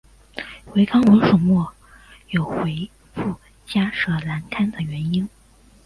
唯康文署未有回覆加设栏杆的原因。